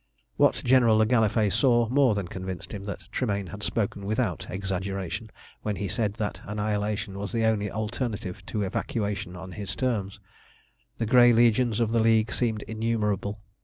What General le Gallifet saw more than convinced him that Tremayne had spoken without exaggeration when he said that annihilation was the only alternative to evacuation on his terms. The grey legions of the League seemed innumerable.